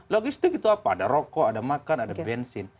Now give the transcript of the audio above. logistik itu apa ada rokok ada makan ada bensin